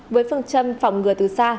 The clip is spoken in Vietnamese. với phương châm phòng ngừa từ xa